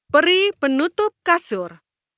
peri penutup kasur